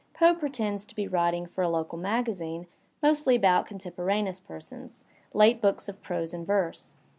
Foe pretends to be writing for a local magazine mostly about contemporaneous persons, late books of prose and verse.